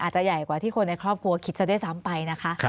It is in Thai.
จะใหญ่กว่าที่คนในครอบครัวคิดซะด้วยซ้ำไปนะคะ